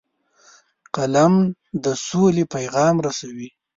قلم د سولې پیغام رسوي